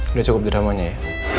udah cukup dramanya ya